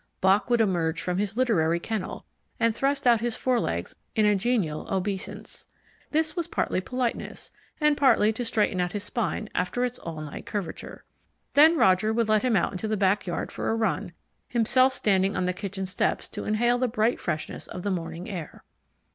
Bock would emerge from his literary kennel, and thrust out his forelegs in a genial obeisance. This was partly politeness, and partly to straighten out his spine after its all night curvature. Then Roger would let him out into the back yard for a run, himself standing on the kitchen steps to inhale the bright freshness of the morning air.